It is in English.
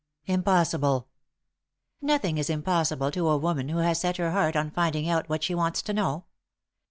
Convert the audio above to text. "Impossible!" "Nothing is impossible to a woman who has set her heart on finding out what she wants to know.